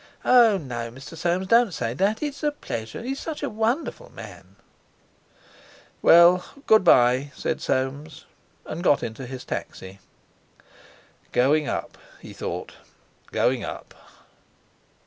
"Oh, no, Mr. Soames, don't say that! It's a pleasure—he's such a wonderful man." "Well, good bye!" said Soames, and got into his taxi. 'Going up!' he thought; 'going up!'